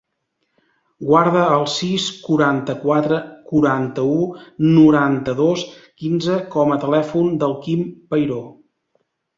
Guarda el sis, quaranta-quatre, quaranta-u, noranta-dos, quinze com a telèfon del Quim Peiro.